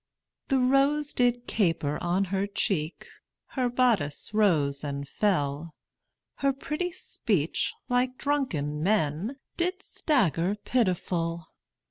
The rose did caper on her cheek, Her bodice rose and fell, Her pretty speech, like drunken men, Did stagger pitiful.